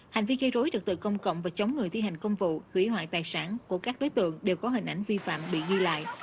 hành vi gây rối trực tự công cộng và chống người thi hành công vụ hủy hoại tài sản của các đối tượng đều có hình ảnh vi phạm bị ghi lại